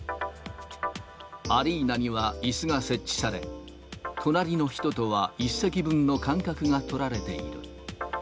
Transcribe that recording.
アリーナにはいすが設置され、隣の人とは１席分の間隔が取られている。